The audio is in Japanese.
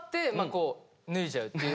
こう脱いじゃうっていう。